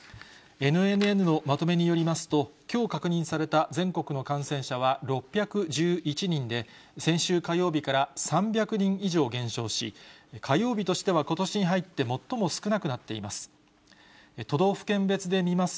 ＮＮＮのまとめによりますと、きょう確認された全国の感染者は６１１人で、先週火曜日から３００人以上減少し、火曜日としてはことしに入って最も少なくなっています。